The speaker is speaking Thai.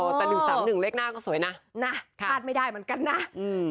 แต่หนึ่งสามหนึ่งเลขหน้าก็สวยนะนะคาดไม่ได้เหมือนกันนะอืม